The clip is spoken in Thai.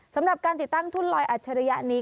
สำหรับการติดตั้งทุ่นลอยอัจฉริยะนี้